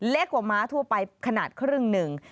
เล็กกว่าม้าทั่วไปขนาดครึ่งหนึ่ง